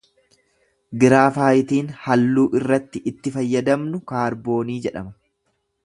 Giraafaayitiin halluu irraatti itti fayyadamnu kaarboonii dha.